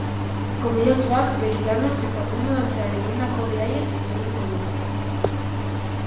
Gonbidatuak bere lanaz eta munduan zehar egindako bidaiez hitz egingo du.